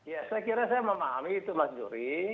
ya saya kira saya memahami itu mas juri